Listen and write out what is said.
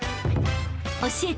［教えて！